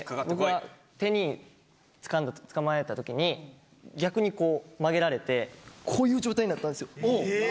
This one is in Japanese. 手につかまれたときに逆にこう曲げられてこういう状態になったんですよ。